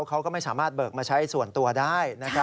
เขาก็ไม่สามารถเบิกมาใช้ส่วนตัวได้